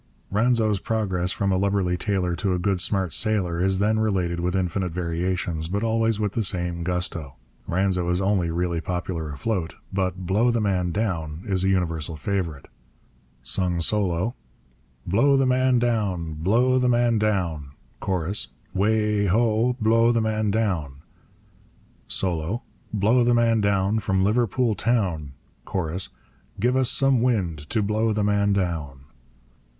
Ranzo's progress from a lubberly tailor to a good smart sailor is then related with infinite variations, but always with the same gusto. Ranzo is only really popular afloat. But Blow the man down is a universal favourite. Solo. Blow the man down, blow the man down, Chorus. 'Way ho! Blow the man down. Solo. Blow the man down from Liverpool town; Chorus. Give us some wind to blow the man down.